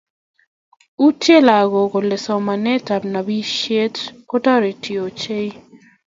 utye lagook kole somanetab nobishet kotoreti ichek ochei